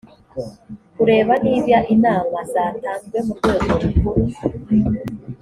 kureba niba inama zatanzwe mu rwego rukuru